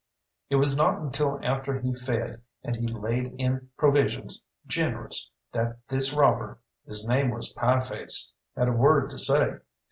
It was not until after he fed, and he laid in provisions generous, that this robber his name was Pieface had a word to say.